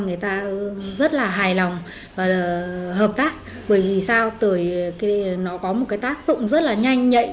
người ta rất là hài lòng và hợp tác bởi vì sao từ nó có một cái tác dụng rất là nhanh nhạy